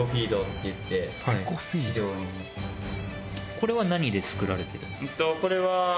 これは何で作られてるんですか？